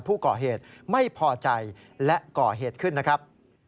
ผู้ก่อเหตุไม่พอใจและก่อเหตุขึ้นนะครับ